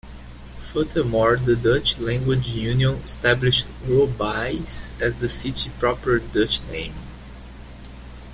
Furthermore, the Dutch Language Union established "Robaais" as the city's proper Dutch name.